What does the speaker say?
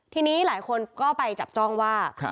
ทีนี้หลายคนก็ไปจับจ้องว่า